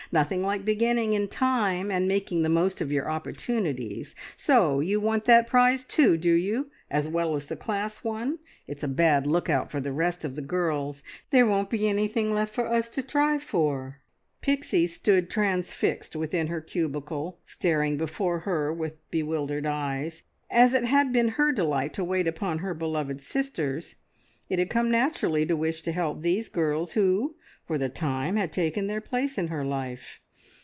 Nothing like beginning in time, and making the most of your opportunities. So you want that prize too, do you, as well as the class one? It's a bad lookout for the rest of the girls. There won't be anything left for us to try for." Pixie stood transfixed within her cubicle, staring before her with bewildered eyes. As it had been her delight to wait upon her beloved sisters, it had come naturally to wish to help these girls who, for the time, had taken their place in her life.